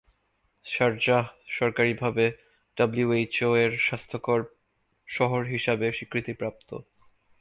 Sharjah সরকারিভাবে ডব্লিউএইচও-এর স্বাস্থ্যকর শহর হিসাবে স্বীকৃতিপ্রাপ্ত।